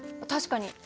確かに。